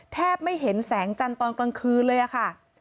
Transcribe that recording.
แทบไม่เห็นแสงจันทร์ตอนกลางคืนเลยอะค่ะ